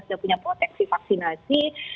sudah punya proteksi vaksinasi